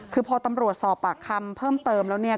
คือพอตำรวจสอบปากคำเพิ่มเติมแล้วเนี่ย